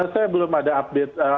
saya belum ada update